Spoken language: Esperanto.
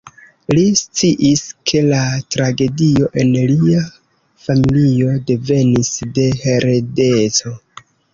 Li sciis, ke la tragedio en lia familio devenis de heredeco.